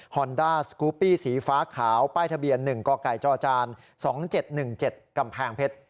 อนด้าสกูปปี้สีฟ้าขาวป้ายทะเบียน๑กไก่จจ๒๗๑๗กำแพงเพชร